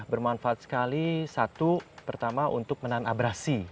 bermanfaat sekali satu pertama untuk menahan abrasi